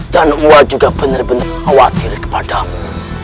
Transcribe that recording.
dan gua juga benar benar khawatir kepadamu